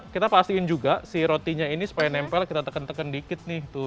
kita pastiin juga si rotinya ini supaya nempel kita tekan teken dikit nih tuh